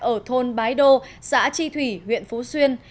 ở thôn bái đô xã tri thủy huyện phú xuyên